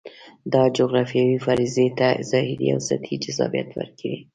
دا جغرافیوي فرضیې ته ظاهري او سطحي جذابیت ورکوي.